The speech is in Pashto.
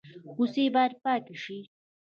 کوڅې باید پاکې شي